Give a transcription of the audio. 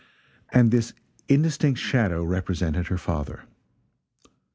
And this indistinct shadow represented her father.